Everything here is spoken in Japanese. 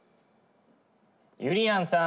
ゆりやんさん。